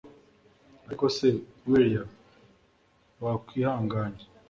ariko se willia wakwihanganye